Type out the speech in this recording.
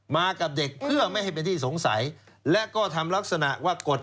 มากับเด็กเพื่อไม่ให้เป็นที่สงสัยและก็ทำลักษณะว่ากด